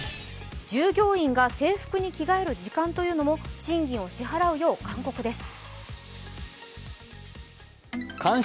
従業員が制服に着替える時間というのも賃金を支払うよう勧告です。